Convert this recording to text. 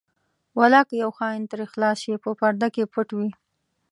ولاکه یو خاین ترې خلاص شي په پرده کې پټ وي.